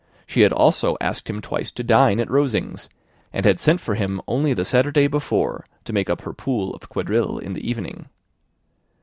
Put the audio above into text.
She had also asked him twice to dine at Rosings, and had sent for him only the Saturday before, to make up her pool of quadrille in the evening.